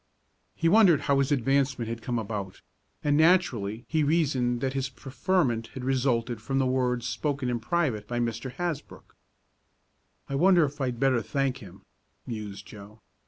He wondered how his advancement had come about, and naturally he reasoned that his preferment had resulted from the words spoken in private by Mr. Hasbrook. "I wonder if I'd better thank him?" mused Joe.